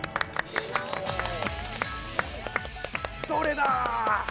どれだ